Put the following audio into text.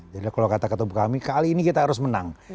jadi kalau kata ketua kami kali ini kita harus menang